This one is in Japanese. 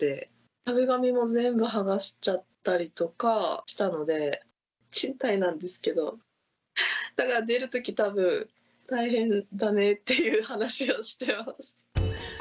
壁紙も全部剥がしちゃったりとかしたので、賃貸なんですけど、だから出るとき、たぶん、大変だねっていう話をしてます。